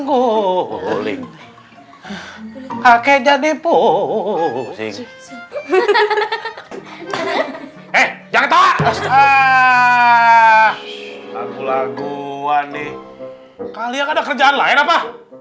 kuling pakai jadi pusing eh jangan tak ah aku lagu laguan nih kalian ada kerjaan lain apa